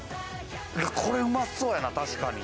これうまそうやな、確かに。